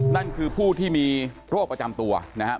นั่นคือผู้ที่มีโรคประจำตัวนะครับ